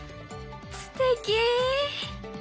すてき！